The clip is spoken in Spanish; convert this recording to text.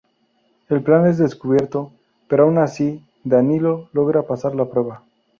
El plan es descubierto, pero aun así Danilo logra pasar la prueba.